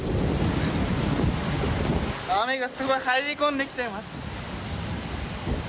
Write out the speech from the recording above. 雨がスゴい入り込んできています。